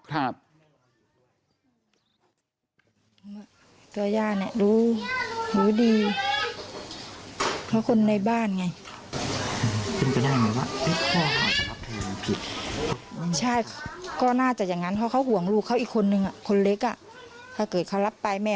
ห่วงลูกเขาอีกคนนึงอ่ะคนเล็กอ่ะถ้าเกิดเขารับไปแม่